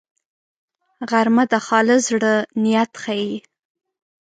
غرمه د خالص زړه نیت ښيي